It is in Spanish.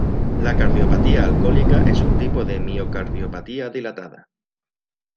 La cardiopatía alcohólica es un tipo de miocardiopatía dilatada.